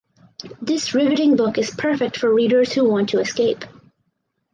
This riveting book is perfect for readers who want to escape.